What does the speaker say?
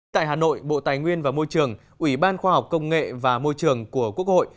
tại hà nội bộ tài nguyên và môi trường ủy ban khoa học công nghệ và môi trường của quốc hội